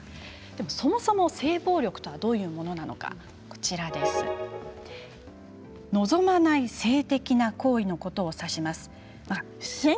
そもそも性暴力とはどういうものなのか望まない性的な行為のことを指します。